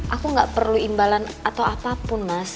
aku gak perlu imbalan atau apapun mas